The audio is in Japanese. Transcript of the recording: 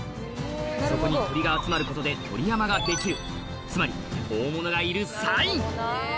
そこに鳥が集まることで鳥山ができるつまり大物がいるサイン！